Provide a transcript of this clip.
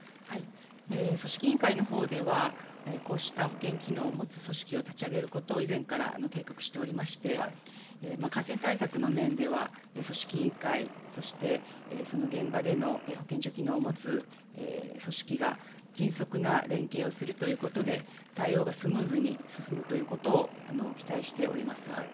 組織委員会のほうではこうした保健機能を持つ組織を立ち上げることを以前から計画しておりまして感染対策の面では、組織委員会そして現場での保健所機能を持つ組織が迅速な連携をするということで対応がスムーズに進むということを期待しております。